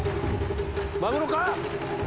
マグロか？